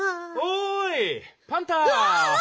おいパンタ！